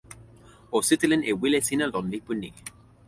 o sitelen e wile sina lon lipu ni.